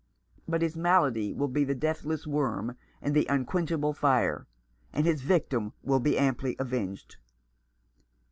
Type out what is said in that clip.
But his malady will be the deathless worm and the unquenchable fire ; and his victim will be amply avenged."